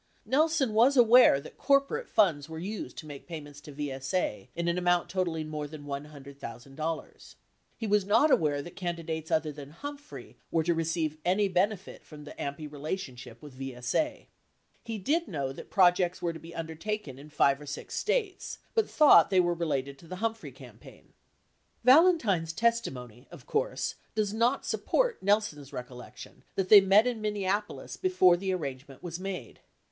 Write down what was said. Nelson was aware that corporate funds were used to make payments to VSA in an amount totalling more than $100,000. He was not aware that candi dates other than Humphrey were to receive any benefit from the AMPI relationship with VSA. 47 He did know that projects were to be undertaken in five or six States, but thought they were related to the Humphrey campaign. Valentine's testimony, of course, does not support Nelson's recollec tion that they met in Minneapolis before the arrangement was made.